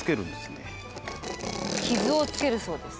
傷をつけるそうです。